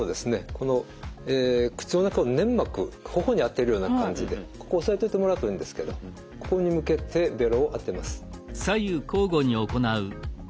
この口の中の粘膜頬に当てるような感じでここ押さえといてもらうといいんですけどここに向けてベロを当てます。